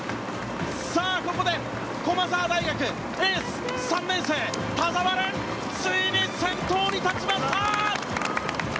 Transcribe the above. さあ、ここで、駒澤大学、エース、３年生、田澤廉、ついに先頭に立ちました！